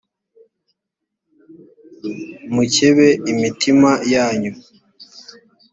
mukebe imitima yanyu